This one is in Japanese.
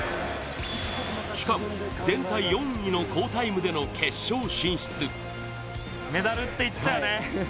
しかも、全体４位の好タイムでの決勝進出。